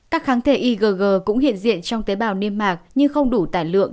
các kháng thể igg cũng hiện diện trong tế bào niêm mạc nhưng không đủ tài lượng